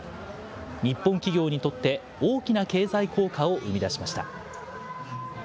日本企業にとって、大きな経済効果を生み出しました。